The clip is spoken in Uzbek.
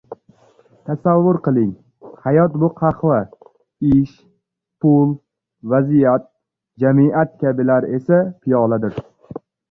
Tasavvur qiling, hayot bu – qahva; ish, pul, vaziyat, jamiyat kabilar esa – piyoladir.